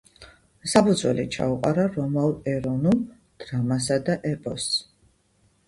საფუძველი ჩაუყარა რომაულ ეროვნულ დრამასა და ეპოსს.